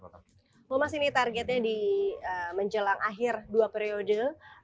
oh mas ini targetnya di menjelang akhir dua periode